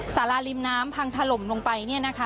สาราริมน้ำพังถล่มลงไปเนี่ยนะคะ